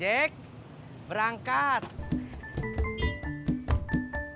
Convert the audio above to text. harusnya silahkan berjalan via site